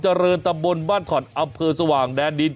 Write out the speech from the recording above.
วัยรุ่นที่คุกขนองเป็นอุบัติเหตุในทางที่ผิด